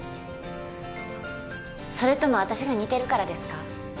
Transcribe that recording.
それとも私が似てるからですか？